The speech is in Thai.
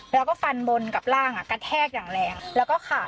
แล้วก็ฟันบนกับร่างกระแทกอย่างแรงแล้วก็ขาด